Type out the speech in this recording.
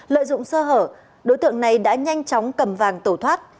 lợi dụng sơ hở đối tượng này đã nhanh chóng cầm vàng tổ thoát